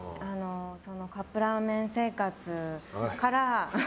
カップラーメン生活から。